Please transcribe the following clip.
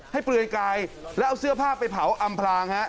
เปลือยกายแล้วเอาเสื้อผ้าไปเผาอำพลางฮะ